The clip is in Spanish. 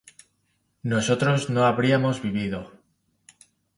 nosotros no habríamos vivido